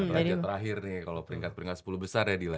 rangka terakhir nih kalau peringkat peringkat sepuluh besar ya dila